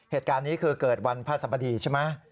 เหตุการณ์นี้คือเกิดวันพระสัมบดีใช่ไหม